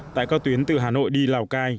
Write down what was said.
tại các tuyến từ hà nội đi lào cai